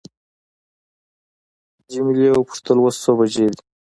جميله وپوښتل اوس څو بجې دي.